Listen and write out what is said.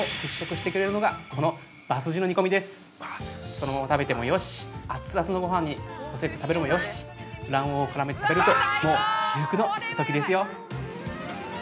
そのまま食べてもよし、熱々のごはんにのせて食べるもよし、卵黄を絡めて食べると、もう至福のひとときですよ。